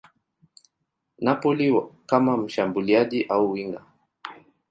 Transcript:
Napoli kama mshambuliaji au winga.